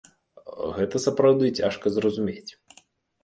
Гэта сапраўды цяжка зразумець.